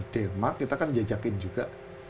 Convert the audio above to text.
denmark kita kan jejakin juga